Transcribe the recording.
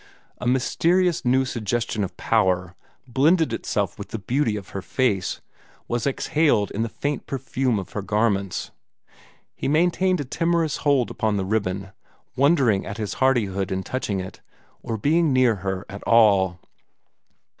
A mysterious new suggestion of power blended itself with the beauty of her face, was exhaled in the faint perfume of her garments. He maintained a timorous hold upon the ribbon, wondering at his hardihood in touching it, or being near her at all.